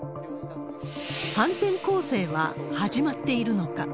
反転攻勢は始まっているのか。